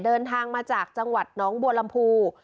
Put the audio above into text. เดินทางมาจากจังหวัดน้องบัวลำพู